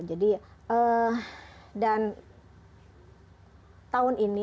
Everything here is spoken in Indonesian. jadi dan tahun ini